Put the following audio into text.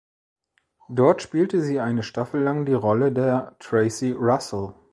Dort spielte sie eine Staffel lang die Rolle der "Tracy Russell".